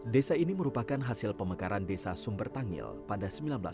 desa ini merupakan hasil pemekaran desa sumber tangil pada seribu sembilan ratus delapan puluh dua